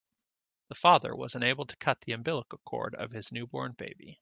The father was unable to cut the umbilical cord of his newborn baby.